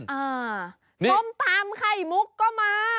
ส้มตำไข่มุกก็มา